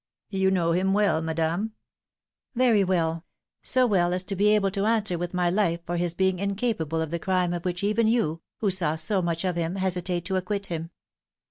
" You know him well, madame ?"" Very well ; so well as to be able to answer with my life for his being incapable of the crime of which even you, who saw so much of him, hesitate to acquit him."